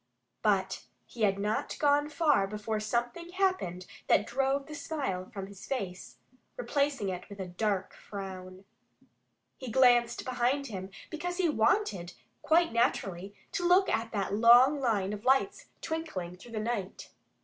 But he had not gone far before something happened that drove the smile from his face, replacing it with a dark frown. He had glanced behind him, because he wanted quite naturally to look at that long line of lights twinkling through the night.